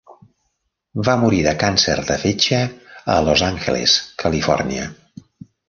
Va morir de càncer de fetge a Los Angeles, Califòrnia.